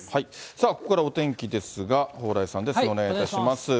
さあ、ここからはお天気ですが、蓬莱さんです、お願いします。